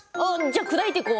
砕いていこう。